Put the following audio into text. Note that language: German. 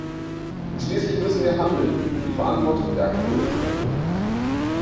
Und schließlich müssen wir handeln, um die Verantwortung der Akteure zu erhöhen.